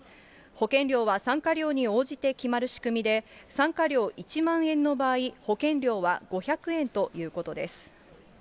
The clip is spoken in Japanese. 保険料は参加料に応じて決まる仕組みで、参加料１万円の場合、保険料は５００円ということです。